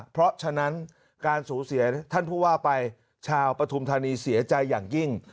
เพราะฉะนั้นการสูญเสียท่านผู้ว่าไปชาวปฐุมธานีเสียใจอย่างยิ่ง